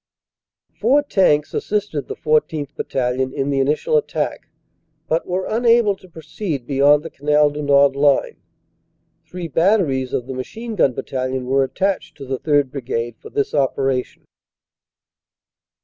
"Four tanks assisted the 14th. Battalion in the initial attack but were unable to proceed beyond the Canal du Nord line. Three batteries of the Machine Gun Battalion were attached to the 3rd. Brigade for this operation.